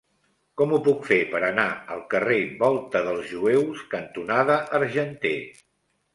Com ho puc fer per anar al carrer Volta dels Jueus cantonada Argenter?